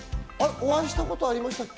お会いしたことありましたっけ？